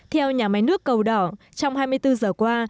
theo nhà máy nước cầu đỏ trong hai mươi bốn giờ qua